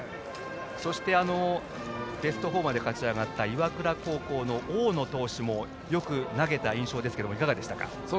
そして、ベスト４まで勝ちあがった岩倉高校の大野投手もよく投げた印象ですけれどもいかがですか？